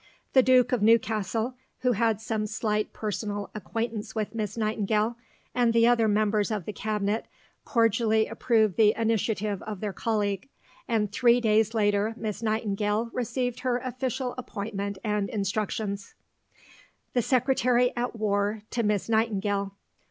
The Duke of Newcastle, who had some slight personal acquaintance with Miss Nightingale, and the other members of the Cabinet cordially approved the initiative of their colleague, and three days later Miss Nightingale received her official appointment and instructions: (_The Secretary at War to Miss Nightingale.